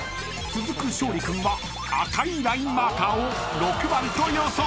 ［続く勝利君は赤いラインマーカーを６番と予想］